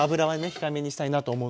控えめにしたいなと思うので。